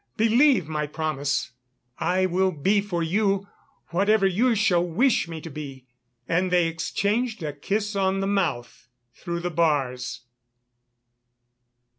believe my promise, I will be for you ... whatever you shall wish me to be." And they exchanged a kiss on the mouth through the bars.